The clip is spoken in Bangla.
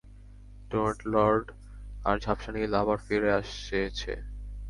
ডোনাট লর্ড আর ঝাপসা নীল আবার ফিরে এসেছে!